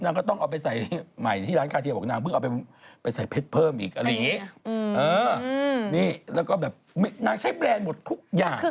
ก็ต้องเอาไปใส่ใหม่ที่ร้านคาเทียบอกนางเพิ่งเอาไปใส่เพชรเพิ่มอีกอะไรอย่างนี้นี่แล้วก็แบบนางใช้แบรนด์หมดทุกอย่าง